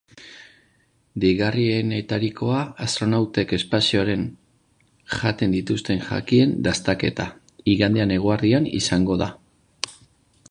Deigarrienetarikoa, astronautek espazioen jaten dituzten jakien dastaketa, igande eguerdian izango da.